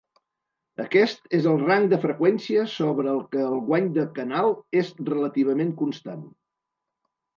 Aquest és el rang de freqüència sobre el què el guany de canal és relativament constant.